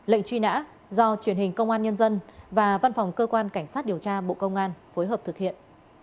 lệnh truy nã do truyền hình công an nhân dân và văn phòng cơ quan cảnh sát điều tra bộ công an phối hợp thực hiện